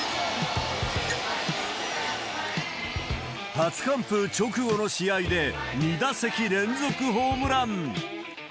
初完封直後の試合で、２打席連続ホームラン。